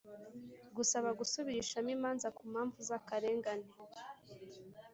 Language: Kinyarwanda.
gusaba gusubirishamo imanza ku mpamvu z’akarengane: